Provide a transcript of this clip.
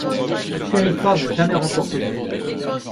Le territoire n'a jamais remporté de médaille.